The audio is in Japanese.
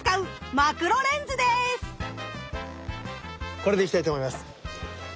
これでいきたいと思います。